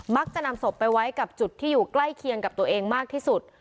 นำศพไปไว้กับจุดที่อยู่ใกล้เคียงกับตัวเองมากที่สุด